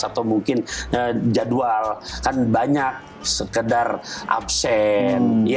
atau mungkin jadwal kan banyak sekedar absen